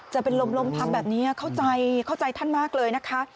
จะเป็นลมพับแบบนี้เข้าใจเข้าใจท่านมากเลยนะคะ